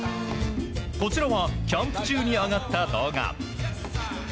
こちらはキャンプ中に上がった動画。